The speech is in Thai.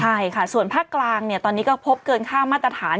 ใช่ค่ะส่วนภาคกลางตอนนี้ก็พบเกินค่ามาตรฐาน